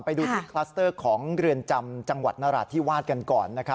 ไปดูที่คลัสเตอร์ของเรือนจำจังหวัดนราธิวาสกันก่อนนะครับ